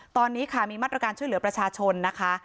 ตอนนี้ค่ะมีมาตรการช่วยเหลือประชาชนนะคะ